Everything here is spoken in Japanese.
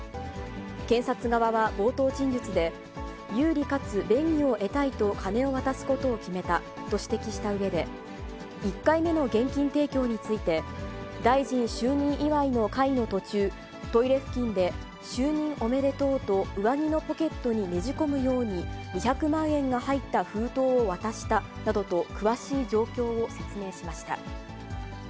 検察側は冒頭陳述で、有利かつ便宜を得たいと金を渡すことを決めたと指摘したうえで、１回目の現金提供について、大臣就任祝いの会の途中、トイレ付近で、就任おめでとうと上着のポケットにねじ込むように、２００万円が入った封筒を渡したなどと、詳しい状況を説明しました。